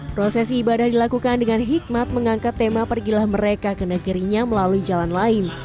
prosesi ibadah dilakukan dengan hikmat mengangkat tema pergilah mereka ke negerinya melalui jalan lain